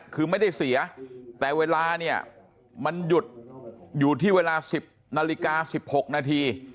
คือไม่ได้เสียแต่เวลาเนี่ยมันหยุดอยู่ที่เวลา๑๐นาฬิกา๑๖นาที